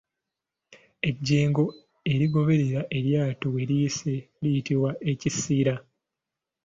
Ejjengo erigoberera eryato we liyise liyitibwa ekisiira.